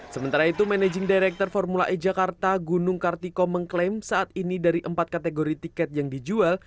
sementara itu managing director formula e jakarta gunung kartiko mengklaim saat ini dari empat kategori tiket yang dijual